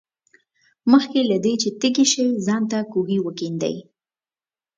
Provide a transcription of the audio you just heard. مخکې له دې چې تږي شې ځان ته کوهی وکیندئ.